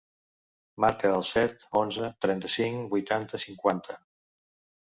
Marca el set, onze, trenta-cinc, vuitanta, cinquanta.